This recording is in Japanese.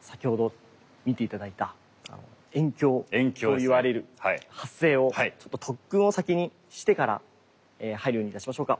先ほど見て頂いた猿叫といわれる発声をちょっと特訓を先にしてから入るようにいたしましょうか。